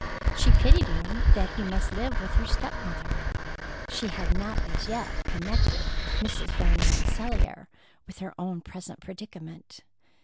She pitied him that he must live with her step mother. She had not as yet connected Mrs. Van Rensselaer with her own present predicament.